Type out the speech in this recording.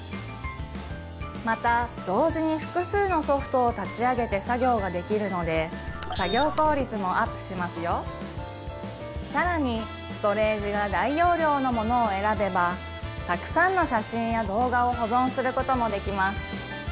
また同時に複数のソフトを立ち上げて作業ができるので作業効率もＵＰしますよさらにストレージが大容量のものを選べばたくさんの写真や動画を保存することもできます